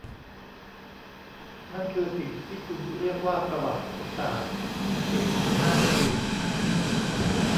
นั่นคือสิ่งที่คุณเรียกว่าประวัติศาสตร์อังกฤษนั่นคือ